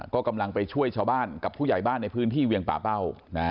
ก็กำลังไปช่วยชาวบ้านกับผู้ใหญ่บ้านในพื้นที่เวียงป่าเป้า